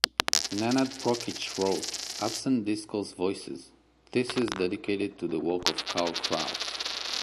Nenad Prokic wrote "Absent Discourse Voices" thesis dedicated to the work of Karl Kraus.